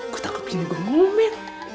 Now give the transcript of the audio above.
kutangkep ini gua ngomit